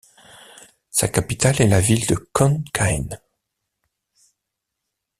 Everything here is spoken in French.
Sa capitale est la ville de Khon Kaen.